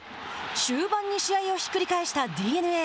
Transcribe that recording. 終盤に試合をひっくり返したＤｅＮＡ。